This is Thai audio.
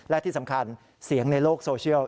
และที่สำคัญเสียงในโลกโซเชียล